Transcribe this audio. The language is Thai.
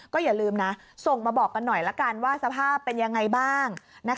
อย่าลืมนะส่งมาบอกกันหน่อยละกันว่าสภาพเป็นยังไงบ้าง